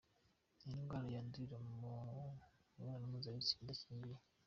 Ni indwara yandurira mu mibonano mpuzabitsina idakingiye.